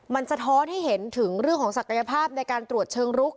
มันสะท้อนให้เห็นถึงเรื่องของศักยภาพในการตรวจเชิงรุก